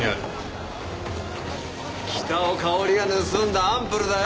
北尾佳織が盗んだアンプルだよ。